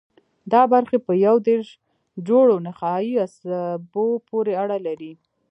دا برخې په یو دېرش جوړو نخاعي عصبو پورې اړه لري.